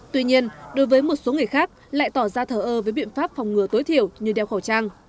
tuy nhiên đối với một số người khác lại tỏ ra thờ ơ với biện pháp phòng ngừa tối thiểu như đeo khẩu trang